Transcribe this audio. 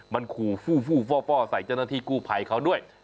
มันขู่ฟู่ฟ่อใส่เจ้าหน้าที่กู้ภัยเขาด้วย